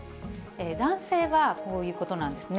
男性はこういうことなんですね。